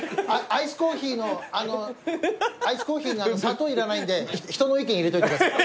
アイスコーヒーの砂糖いらないんで人の意見入れといてください。